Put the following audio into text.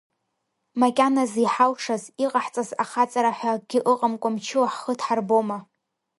Макьаназы иҳалшаз, иҟаҳҵаз ахаҵара ҳәа акгьы ыҟамкәа мчыла ҳхы дҳарбома?